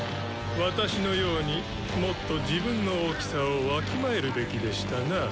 私のようにもっと自分の大きさをわきまえるべきでしたな。